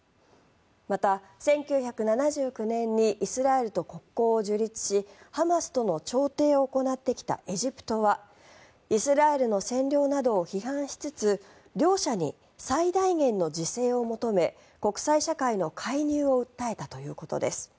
また、１９７９年にイスラエルと国交を樹立しハマスとの調停を行ってきたエジプトはイスラエルの占領などを批判しつつ両者に最大限の自制を求め国際社会の介入を訴えたということです。